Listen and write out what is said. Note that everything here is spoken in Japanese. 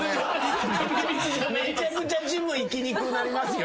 めちゃくちゃジム行きにくくなりますよ？